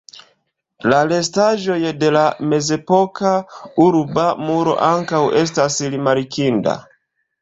La restaĵoj de la mezepoka urba muro ankaŭ estas rimarkinda.